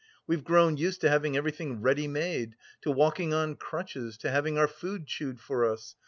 We've grown used to having everything ready made, to walking on crutches, to having our food chewed for us.